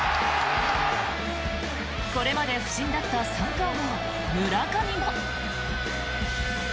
これまで不振だった三冠王、村上も。